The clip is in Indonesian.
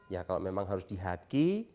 ya kalau memang harus dihaki